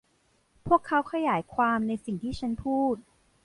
พวกเขาขยายความในสิ่งที่ฉันพูด